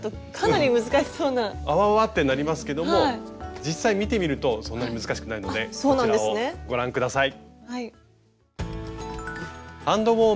あわあわってなりますけども実際見てみるとそんなに難しくないのでこちらをご覧下さい。